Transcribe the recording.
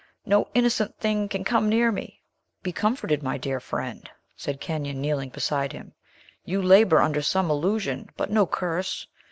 No innocent thing can come near me." "Be comforted, my dear friend," said Kenyon, kneeling beside him. "You labor under some illusion, but no curse.